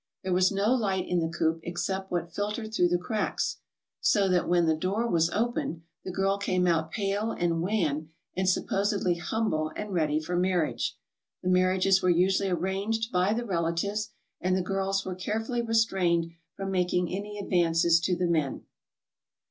There was no light in the coop except what filtered through the cracks, so that when the door was opened the girl came out pale and wan and supposedly humble and ready for marriage. The mar riages were usually arranged by the relatives, and the girls were carefully restrained from making any advances to the men.